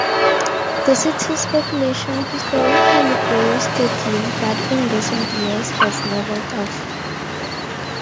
The city's population historically grew steadily, but in recent years has leveled off.